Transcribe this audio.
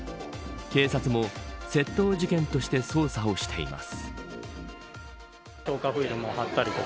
警察も窃盗事件として捜査をしています。